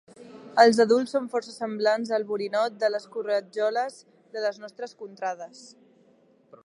Els adults són força semblants al borinot de les corretjoles de les nostres contrades.